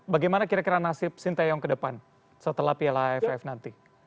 bagaimana kira kira nasib sinteyong ke depan setelah plaff nanti